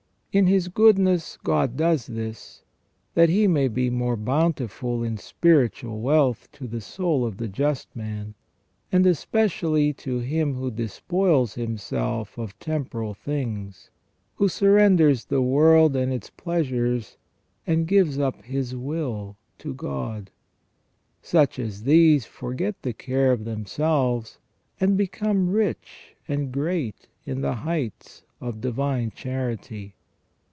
" In His goodness God does this, that he may be more bountiful in spiritual wealth to the soul of the just man, and especially to him who despoils himself of temporal things, who surrenders the world and its pleasures, and gives up his will to God. Such as these forget the care of themselves, and become rich and great in the heights of divine charity.